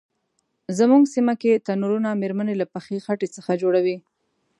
زمونږ سیمه کې تنرونه میرمنې له پخې خټې څخه جوړوي.